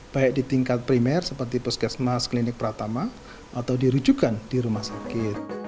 baik di tingkat primer seperti puskesmas klinik pratama atau dirujukan di rumah sakit